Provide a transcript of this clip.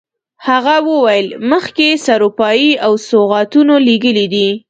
هغه وویل مخکې سروپايي او سوغاتونه لېږلي دي.